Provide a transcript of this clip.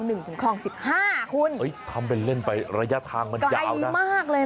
หนึ่งถึงคลองสิบห้าคุณเอ้ยทำเป็นเล่นไประยะทางมันยาวมากเลยนะ